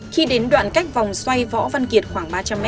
khi đến đoạn cách vòng xoay võ văn kiệt khoảng ba trăm linh m